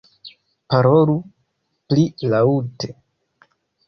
Parolu pli laŭte.